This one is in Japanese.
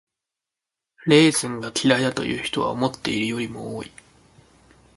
レーズンが嫌いだという人は思っているよりも多い。